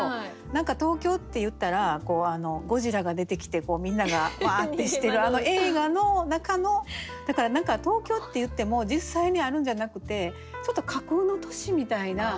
何か東京っていったらゴジラが出てきてみんなが「わあ！」ってしてるあの映画の中のだから何か東京っていっても実際にあるんじゃなくてちょっと架空の都市みたいな。